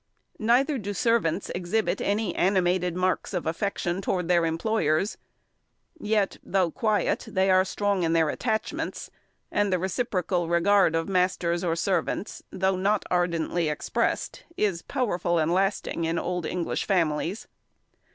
Neither do servants exhibit any animated marks of affection to their employers; yet, though quiet, they are strong in their attachments; and the reciprocal regard of masters or servants, though not ardently expressed, is powerful and lasting in old English families.